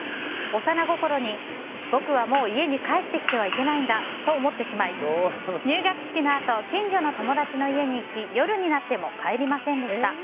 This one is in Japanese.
幼心に僕はもう家に帰ってきてはいけないんだと思ってしまい、入学式のあと近所の友達の家に行き夜になっても帰りませんでした。